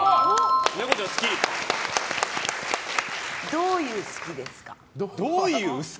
どういう好きですか？